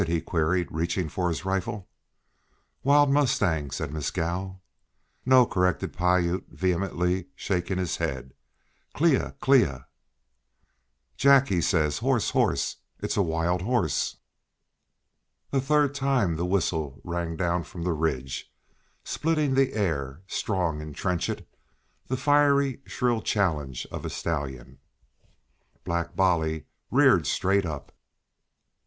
he queried, reaching for his rifle. "Wild mustangs," said Mescal. "No," corrected Piute, vehemently shaking his head. "Clea, Clea." "Jack, he says 'horse, horse.' It's a wild horse." A third time the whistle rang down from the ridge, splitting the air, strong and trenchant, the fiery, shrill challenge of a stallion. Black Bolly reared straight up.